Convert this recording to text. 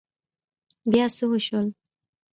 بيا څه وشول؟